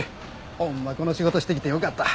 ほんまこの仕事してきてよかった。